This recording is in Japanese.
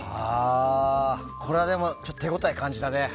これはでも手応え感じたね。